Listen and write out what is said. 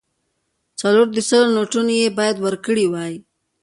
څلور د سلو نوټونه یې باید ورکړای وای.